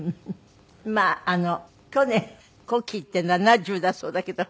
まあ去年古希って７０だそうだけど。